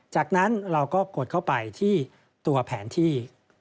จากนั้นเราก็กดเข้าไปที่ตัวแผนที่